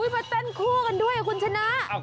มาเต้นคู่กันด้วยคุณชนะ